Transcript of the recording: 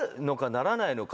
ならないのか？